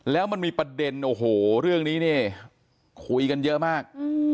แล้วมันมีประเด็นเรื่องนี้คุยกันเยอะมาก